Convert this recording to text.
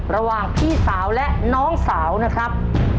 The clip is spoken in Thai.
ระหว่างพี่สาวและน้องสาวนะครับ